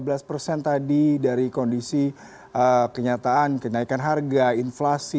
berarti angka realitis lima belas tadi dari kondisi kenyataan kenaikan harga inflasi